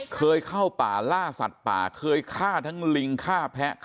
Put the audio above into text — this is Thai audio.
เคยเข้าป่าล่าสัตว์ป่าเคยฆ่าทั้งลิงฆ่าแพะ